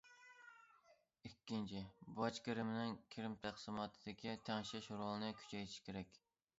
ئىككىنچى، باج كىرىمىنىڭ كىرىم تەقسىماتىدىكى تەڭشەش رولىنى كۈچەيتىش كېرەك.